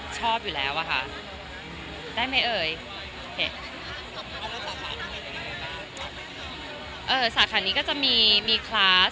ชอบอยู่แล้วอะค่ะได้ไหมเอ่ยสาขานี้ก็จะมีมีคลาส